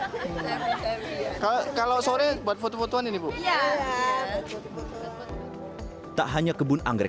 tak hanya kebun anggrek saja pemkot surabaya juga menyolak bangunan rumah bordil menjadi laboratorium budidaya anggrek